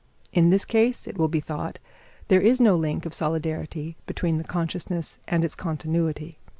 In this case, it will be thought, there is no link of solidarity between the consciousness and its continuity.